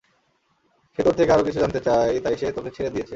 সে তোর থেকে আরও কিছু জানতে চায় তাই সে তোকে ছেড়ে দিয়েছে।